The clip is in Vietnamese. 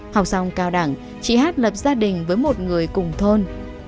học xong cao đẳng chị hát lập gia đình với một người cùng thôn